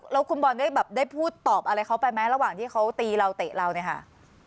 แล้วคุณบอลได้แบบได้พูดตอบอะไรเขาไปไหมระหว่างที่เขาตีเราเตะเราเนี่ยค่ะ